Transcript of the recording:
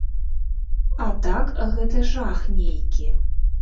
А так гэта жах нейкі.